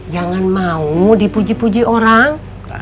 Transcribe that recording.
jangan mau dipuji puji orang